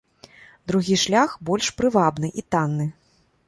Другі шлях больш прывабны і танны.